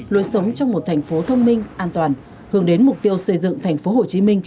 luôn sống trong một thành phố thông minh an toàn hướng đến mục tiêu xây dựng tp hcm